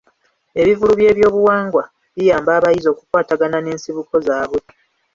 Ebivvulu by'ebyobuwangwa biyamba abayizi okukwatagana n'ensibuko zaabwe.